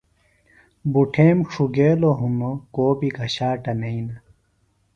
بُٹھیم ڇُھگیلوۡ ہِنوۡ کو بیۡ گھشاٹہ نئینہ۔